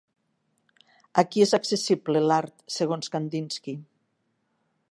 A qui és accessible l'art segons Kandinski?